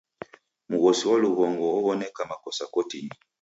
Mghosi wa lughongo ow'oneka makosa kotinyi.